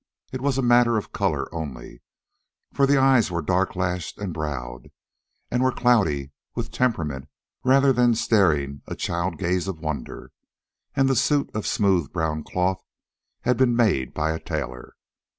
It was a matter of color only, for the eyes were dark lashed and browed, and were cloudy with temperament rather than staring a child gaze of wonder, and the suit of smooth brown cloth had been made by a tailor.